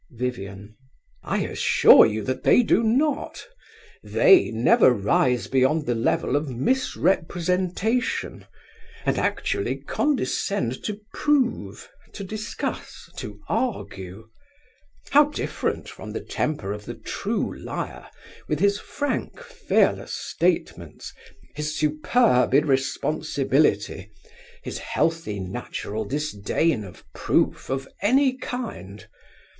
VIVIAN. I assure you that they do not. They never rise beyond the level of misrepresentation, and actually condescend to prove, to discuss, to argue. How different from the temper of the true liar, with his frank, fearless statements, his superb irresponsibility, his healthy, natural disdain of proof of any kind!